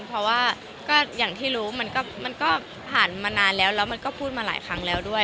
เพราะว่าก็อย่างที่รู้มันก็ผ่านมานานแล้วแล้วมันก็พูดมาหลายครั้งแล้วด้วย